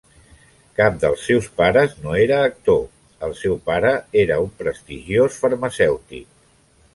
Cap dels seus pares no era actor, el seu pare era un prestigiós farmacèutic.